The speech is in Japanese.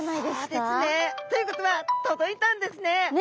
そうですね。ということは届いたんですね。ね！